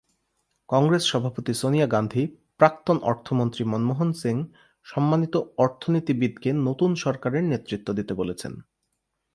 কংগ্রেস সভাপতি সোনিয়া গান্ধী, প্রাক্তন অর্থমন্ত্রী মনমোহন সিং, সম্মানিত অর্থনীতিবিদ কে নতুন সরকারের নেতৃত্ব দিতে বলেছেন।